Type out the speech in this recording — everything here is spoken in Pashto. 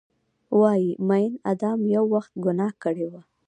وایې ، میین ادم یو وخت ګناه کړي وه